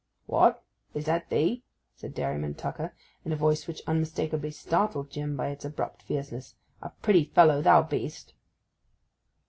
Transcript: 'What—is that thee?' said Dairyman Tucker, in a voice which unmistakably startled Jim by its abrupt fierceness. 'A pretty fellow thou be'st!